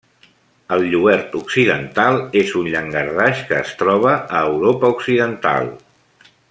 El lluert occidental és un llangardaix que es troba a Europa occidental.